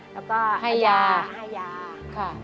แล้วก็ให้ยา